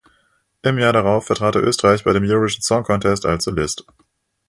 Im Jahr darauf vertrat er Österreich bei dem „Eurovision Song Contest“ als Solist.